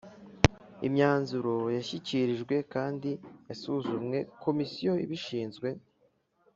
Imyanzuro yashyikirijwe kandi yasuzumye Komisiyo ibishinzwe